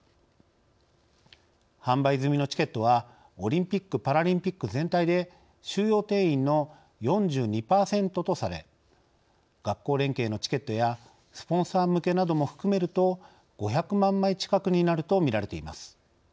販売済みのチケットはオリンピック・パラリンピック全体で収容定員の４２％とされ学校連携のチケットやスポンサー向けなども含めると５００万枚近くになると見られています。